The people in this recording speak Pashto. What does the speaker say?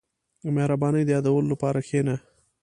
• د مهربانۍ د یادولو لپاره کښېنه.